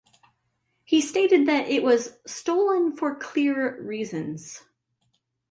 He stated that it was "stolen for clear reasons".